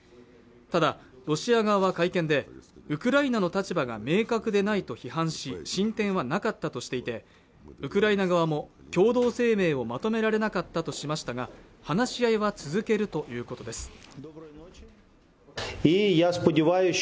ただロシア側は会見でウクライナの立場が明確でないと批判し進展はなかったとしていてウクライナ側も共同声明をまとめられなかったとしましたが話し合いは続けるということです